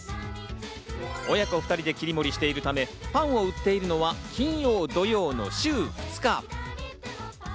親子２人で切り盛りしているため、パンを売っているのは金曜・土曜の週２日。